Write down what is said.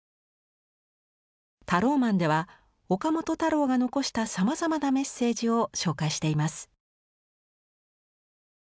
「ＴＡＲＯＭＡＮ」では岡本太郎が残したさまざまなメッセージを紹介しています。